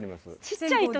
ちっちゃい時。